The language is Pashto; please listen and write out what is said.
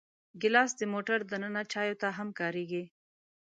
ګیلاس د موټر دننه چایو ته هم کارېږي.